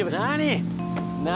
何？